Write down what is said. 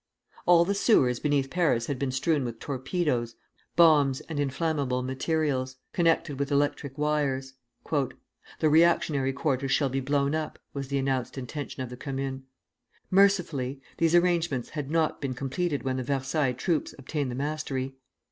All the sewers beneath Paris had been strewn with torpedoes, bombs, and inflammable materials, connected with electric wires. "The reactionary quarters shall be blown up," was the announced intention of the Commune. Mercifully, these arrangements had not been completed when the Versailles troops obtained the mastery.